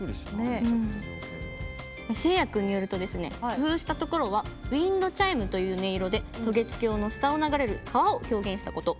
せいや君によると工夫したところはウィンドチャイムという音色で渡月橋の下を流れる川を表現したこと。